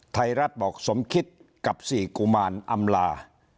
ไทยรัฐบอกสมคิดกับ๔กุมารอำลา